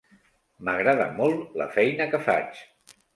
M'agrada molt la feina que faig.